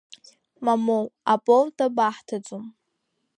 Мамоу, аполта баҳҭаӡом!